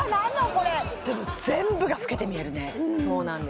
これでも全部が老けて見えるねそうなんです